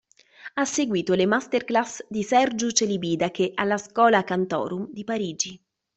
Ha seguito le masterclass di Sergiu Celibidache alla Schola Cantorum di Parigi.